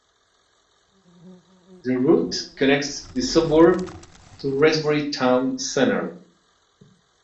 The route connects the suburb to Shrewsbury town centre.